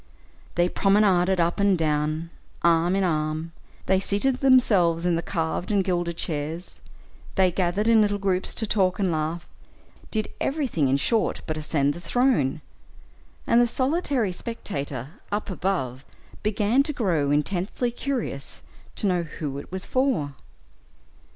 They promenaded up and down, arm in arm; they seated themselves in the carved and gilded chairs; they gathered in little groups to talk and laugh, did everything, in short, but ascend the throne; and the solitary spectator up above began to grow intensely curious to know who it was for.